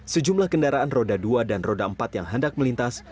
sejumlah kendaraan roda dua dan roda empat yang hendak melintas